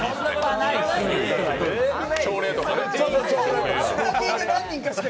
朝礼とかね。